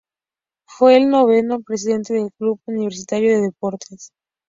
Fue el noveno presidente del Club Universitario de Deportes.